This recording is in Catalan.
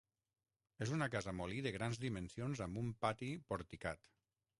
És una casa molí de grans dimensions amb un pati porticat.